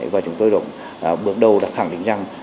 và chúng tôi bước đầu đã khẳng định rằng